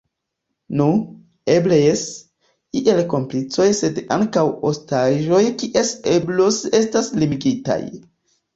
Nu, eble jes, iel komplicoj sed ankaŭ ostaĝoj kies ebloj estas limigitaj.